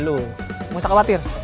lo gak usah khawatir